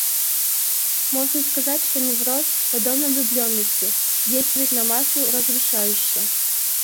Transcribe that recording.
Можно сказать, что невроз, подобно влюбленности, действует на массу разрушающе.